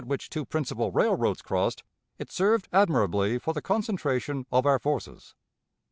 Being the point at which two principal railroads crossed, it served admirably for the concentration of our forces.